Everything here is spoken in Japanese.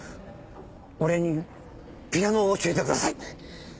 俺にピアノを教えてください！